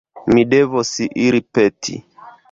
Mi devos iri peti!